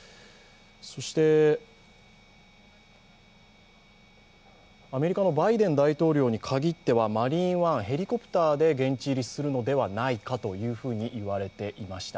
そしてアメリカのバイデン大統領に限ってはヘリコプターで現地入りするのではないかといわれていました。